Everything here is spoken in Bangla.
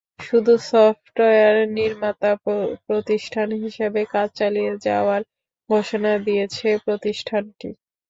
শুধু সফটওয়্যার নির্মাতা প্রতিষ্ঠান হিসেবে কাজ চালিয়ে যাওয়ার ঘোষণা দিয়েছে প্রতিষ্ঠানটি।